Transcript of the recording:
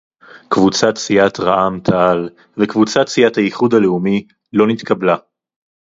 "קבוצת סיעת רע"ם-תע"ל וקבוצת סיעת האיחוד הלאומי לא נתקבלה"